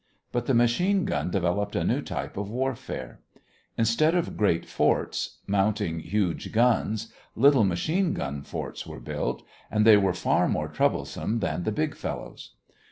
But the machine gun developed a new type of warfare. Instead of great forts, mounting huge guns, little machine gun forts were built, and, they were far more troublesome than the big fellows.